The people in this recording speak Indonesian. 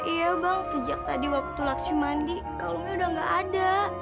iya bang sejak tadi waktu laksi mandi kalungnya udah gak ada